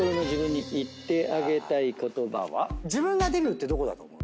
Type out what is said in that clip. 自分がデビューってどこだと思う？